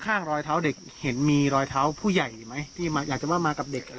รอยเท้าเด็กเห็นมีรอยเท้าผู้ใหญ่ไหมที่อยากจะว่ามากับเด็ก